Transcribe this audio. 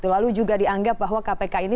lalu juga dianggap bahwa kpk ini